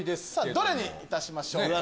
どれにいたしましょうか？